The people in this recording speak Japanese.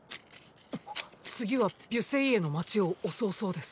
次はビュセイエの街を襲うそうです。